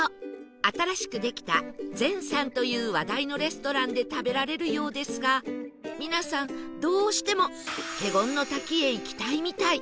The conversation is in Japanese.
新しくできたゼンさんという話題のレストランで食べられるようですが皆さんどうしても華厳の滝へ行きたいみたい